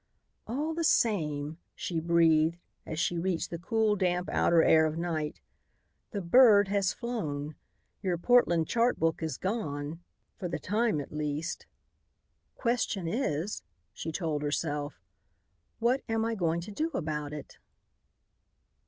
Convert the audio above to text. "All the same," she breathed, as she reached the cool, damp outer air of night, "the bird has flown, your Portland chart book is gone, for the time at least. "Question is," she told herself, "what am I going to do about it?"